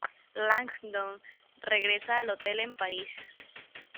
Langdon regresa al hotel en París.